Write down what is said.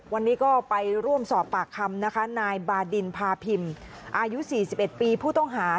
วันนี้ก็ไปร่วมสอบปากคำนะคะนายบาดินพาพิมพ์อายุ๔๑ปีผู้ต้องหา